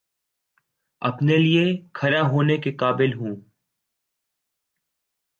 اپنے لیے کھڑا ہونے کے قابل ہوں